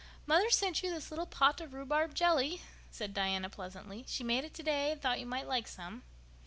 "Mother sent you this little pot of rhubarb jelly," said Diana pleasantly. "She made it today and thought you might like some."